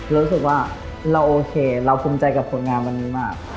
รู้สึกว่าเราโอเคเราภูมิใจกับผลงานวันนี้มาก